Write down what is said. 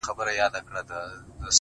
o د ژرندي زه راځم، غوږونه ستا سپېره دي!